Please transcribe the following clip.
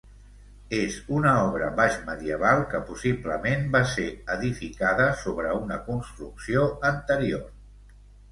És una obra baixmedieval que possiblement va ser edificada sobre una construcció anterior.